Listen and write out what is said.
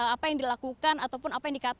apa yang dilakukan ataupun apa yang dilakukan itu